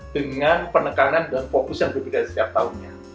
dengan penekanan dan fokus yang berbeda setiap tahunnya